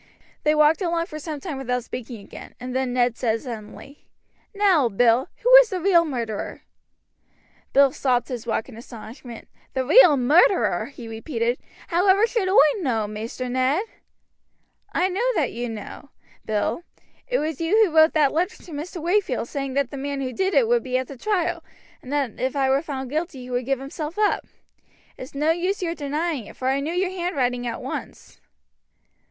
They walked along for some time without speaking again, and then Ned said suddenly: "Now, Bill, who is the real murderer?" Bill stopped his walk in astonishment. "The real murderer!" he repeated; "how ever should oi know, Maister Ned?" "I know that you know, Bill. It was you who wrote that letter to Mr. Wakefield saying that the man who did it would be at the trial, and that if I were found guilty he would give himself up. It's no use your denying it, for I knew your handwriting at once."